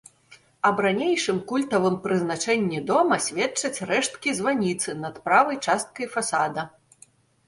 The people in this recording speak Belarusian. Аб ранейшым культавым прызначэнні дома сведчаць рэшткі званіцы над правай часткай фасада.